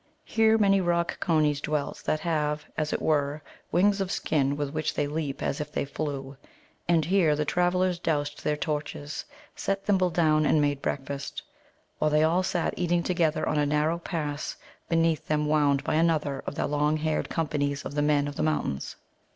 Here many rock conies dwelt that have, as it were, wings of skin with which they leap as if they flew. And here the travellers doused their torches, set Thimble down, and made breakfast. While they all sat eating together, on a narrow pass beneath them wound by another of the long haired companies of the Men of the Mountains.